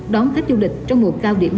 đón khách du lịch trong mùa cao điểm